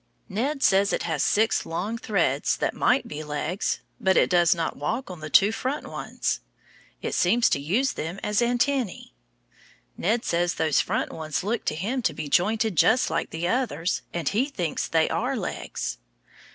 Ned says it has six long threads that might be legs, but it does not walk on the two front ones. It seems to use them as antennæ. Ned says those front ones look to him to be jointed just like the others, and he thinks they are legs.